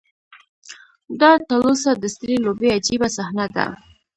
دا تلوسه د سترې لوبې عجیبه صحنه ده.